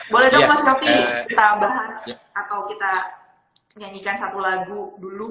boleh dong mas syafie kita bahas atau kita nyanyikan satu lagu dulu